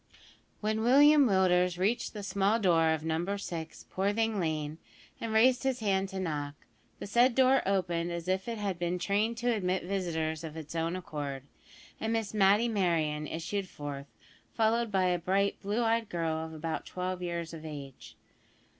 When William Willders reached the small door of Number 6, Poorthing Lane, and raised his hand to knock, the said door opened as if it had been trained to admit visitors of its own accord, and Miss Matty Merryon issued forth, followed by a bright blue eyed girl of about twelve years of age.